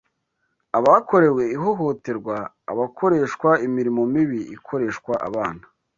abakorewe ihohoterwa, abakoreshwa imirimo mibi ikoreshwa abana,